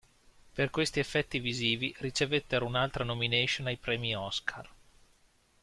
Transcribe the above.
Per questi effetti visivi ricevettero un'altra nomination ai premi Oscar.